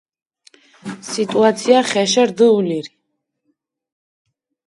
სიტუაცია ხეშე რდჷ ულირი.